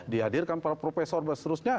dihadirkan para profesor dan seterusnya